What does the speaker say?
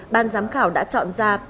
ban giám khảo đã chọn ra